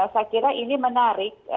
saya kira ini menarik